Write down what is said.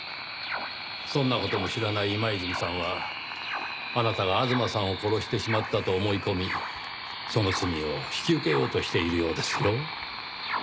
そんな事も知らない今泉さんはあなたが吾妻さんを殺してしまったと思い込みその罪を引き受けようとしているようですよ。